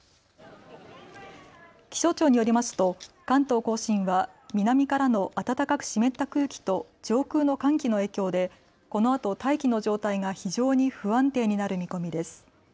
気象庁によりますと関東甲信は南からの暖かく湿った空気と上空の寒気の影響でこのあと大気の状態が非常に不安定になる見込みです。